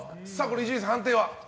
伊集院さん、判定は？